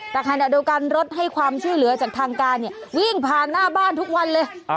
แต่ขณะเดียวกันรถให้ความช่วยเหลือจากทางการเนี่ยวิ่งผ่านหน้าบ้านทุกวันเลย